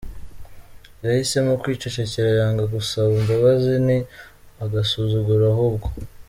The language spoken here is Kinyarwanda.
Yahisemo kwicecekera yanga gusaba imbabazi, ni agasuzuguro ahubwo.